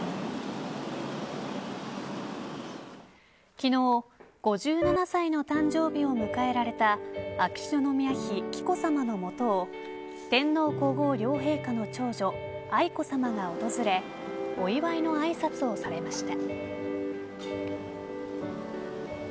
昨日、５７歳の誕生日を迎えられた秋篠宮妃、紀子さまの元を天皇皇后両陛下の長女愛子さまが訪れお祝いのあいさつをされました。